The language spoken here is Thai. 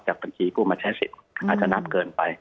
จากเมื่อกี้ผู้มาใช้สิทธิ์อาจจะนับเกินไป